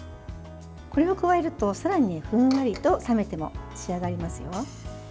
これを加えるとさらにふんわりと、冷めても仕上がりますよ。